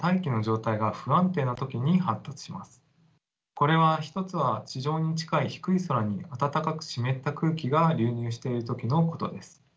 これは一つは地上に近い低い空に暖かく湿った空気が流入している時のことです。